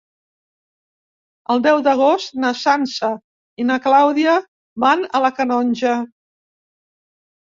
El deu d'agost na Sança i na Clàudia van a la Canonja.